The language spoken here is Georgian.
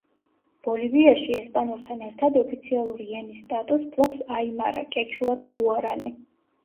ბოლივიაში, ესპანურთან ერთად ოფიციალური ენის სტატუსს ფლობს აიმარა, კეჩუა და გუარანი.